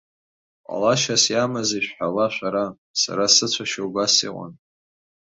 Ҟалашьас иамази шәҳәала шәара, сара сыцәашьа убас иҟан.